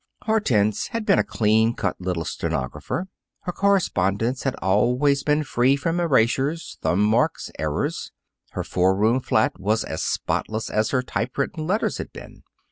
Hortense had been a clean cut little stenographer. Her correspondence had always been free from erasures, thumb marks, errors. Her four room flat was as spotless as her typewritten letters had been.